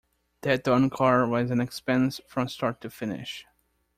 That darn car was an expense from start to finish.